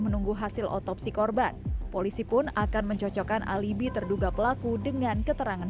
menunggu hasil otopsi korban polisi pun akan mencocokkan alibi terduga pelaku dengan keterangan